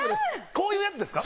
こういうやつですか？